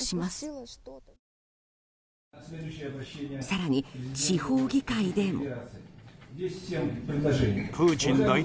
更に、地方議会でも。